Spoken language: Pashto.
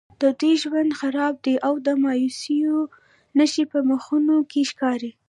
د دوی ژوند خراب دی او د مایوسیو نښې په مخونو کې ښکاري.